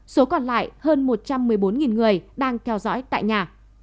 số còn lại hơn một trăm một mươi bốn người đang theo dõi tại nhà